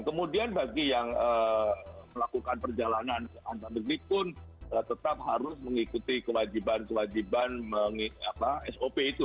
kemudian bagi yang melakukan perjalanan antar negeri pun tetap harus mengikuti kewajiban kewajiban sop itu